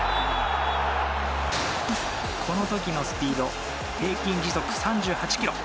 この時のスピード平均時速３８キロ。